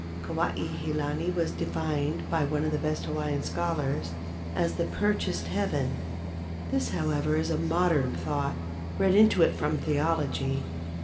Kuai he lani was defined by one of the best Hawaiian schol¬ ars as "the purchased heaven." This, however, is a modern thought, read into it from theology.